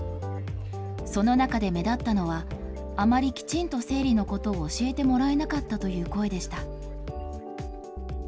その中で目立ったのは、あまりきちんと生理のことを教えてもらえなかったという声でした。